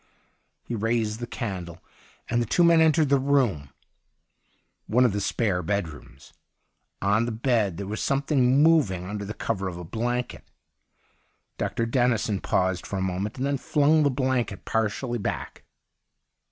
He raised the candle and the two men entered the room — one of the spare bedrooms. On the bed there was something moving under cover of a blanket. Dr. Dennison paused for a moment and then flung the blanket partially back.